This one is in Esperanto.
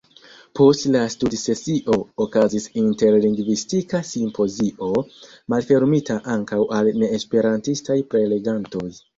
Post la studsesio okazis interlingvistika simpozio, malfermita ankaŭ al neesperantistaj prelegantoj.